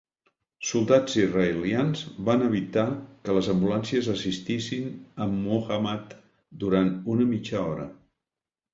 Soldats israelians van evitar que les ambulàncies assistissin a Muhammad durant una mitja hora.